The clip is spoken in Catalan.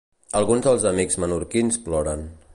Alguns dels amics menorquins ploren.